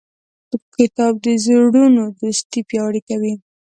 کتاب د زړونو دوستي پیاوړې کوي.